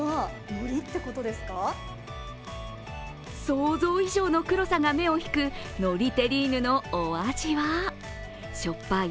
想像以上の黒さが目を引くのりテリーヌのお味はしょっぱい？